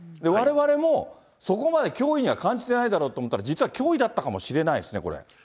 われわれもそこまで脅威には感じてないだろうと思ってたら、実は脅威だったかもしれないですね、これ。